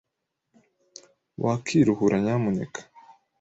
Wakwiruhura, nyamuneka?